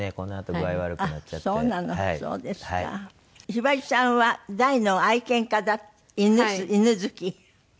ひばりさんは大の愛犬家犬好き？